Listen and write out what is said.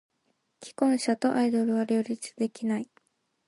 既婚者とアイドルは両立できない。